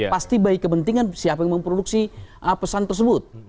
pasti baik kepentingan siapa yang memproduksi pesan tersebut